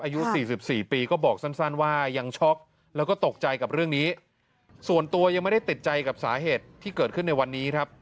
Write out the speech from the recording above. อายุสี่สิบสี่ปีก็บอกสั้นว่ายังช็อกแล้วก็ตกใจกับเรื่องนี้ส่วนตัวยังไม่ได้ติดใจกับสาเหตุที่เกิดขึ้นในวันนี้ครับ